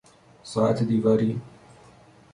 ساعت دیواری